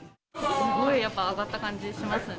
すごいやっぱ、上がった感じしますね。